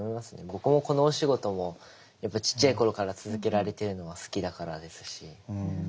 僕もこのお仕事もやっぱちっちゃい頃から続けられてるのは好きだからですし。